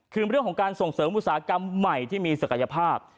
คือเรื่องของการส่งเสริมอุตสาหกรรมใหม่ที่มีศักยภาพ